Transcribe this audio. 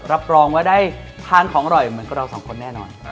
รับรองว่าได้ทานของอร่อยเหมือนกับเราสองคนแน่นอน